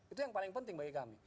itu yang paling penting bagi kami